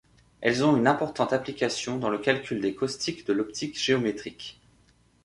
Elles ont une importante application dans le calcul des caustiques de l'optique géométrique.